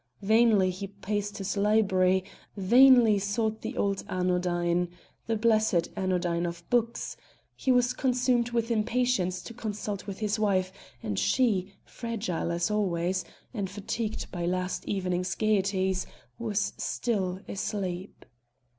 Vainly he paced his library, vainly sought the old anodyne the blessed anodyne of books; he was consumed with impatience to consult with his wife, and she, fragile always, and fatigued by last evening's gaieties, was still asleep.